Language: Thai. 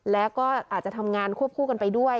แล้วก็อาจจะทำงานควบคู่กันไปด้วย